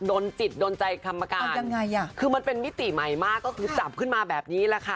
โดนจิตโดนใจกรรมการยังไงอ่ะคือมันเป็นมิติใหม่มากก็คือจับขึ้นมาแบบนี้แหละค่ะ